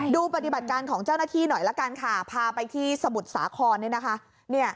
ดูปฏิบัติการของเจ้าหน้าที่หน่อยละกันค่ะพาไปที่สมุทรสาครเนี่ยนะคะ